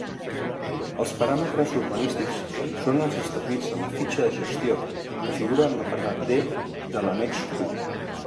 Els paràmetres urbanístics són els establits en la fitxa de gestió que figura en l'apartat D de l'annex I.